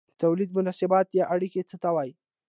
د توليد مناسبات یا اړیکې څه ته وايي؟